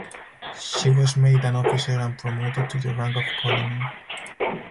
She was made an officer and promoted to the rank of colonel.